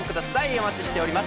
お待ちしております。